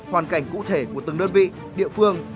hoàn cảnh cụ thể của từng đơn vị địa phương